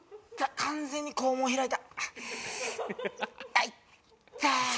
完全に肛門開いた。